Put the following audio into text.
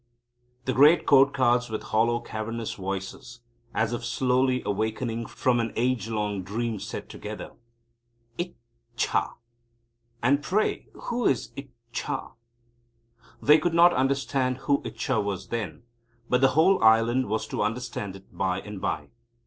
The great Court Cards with hollow, cavernous voices, as if slowly awakening from an age long dream, said together: "Ich cha! And pray who is Ich cha?" They could not understand who Ichcha was then, but the whole island was to understand it by and by.